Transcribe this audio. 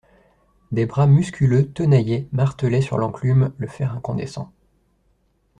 Des bras musculeux tenaillaient, martelaient sur l'enclume le fer incandescent.